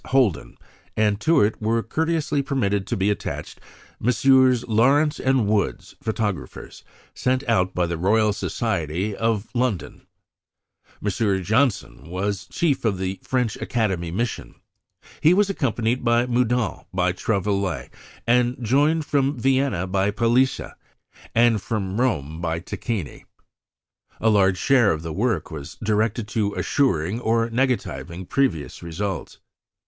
Holden, and to it were courteously permitted to be attached Messrs. Lawrance and Woods, photographers, sent out by the Royal Society of London. M. Janssen was chief of the French Academy mission; he was accompanied from Meudon by Trouvelot, and joined from Vienna by Palisa, and from Rome by Tacchini. A large share of the work done was directed to assuring or negativing previous results.